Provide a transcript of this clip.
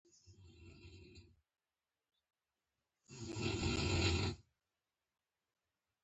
په خپله رایه او مشوره یې د چارو ستونزې حل کولې.